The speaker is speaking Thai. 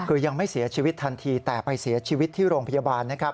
คือยังไม่เสียชีวิตทันทีแต่ไปเสียชีวิตที่โรงพยาบาลนะครับ